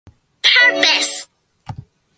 パーパス